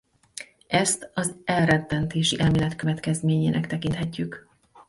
Ezt az elrettentési elmélet következményének tekinthetjük.